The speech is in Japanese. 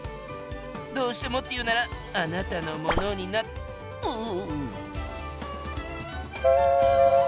どうしてもっていうならあなたのものになうう。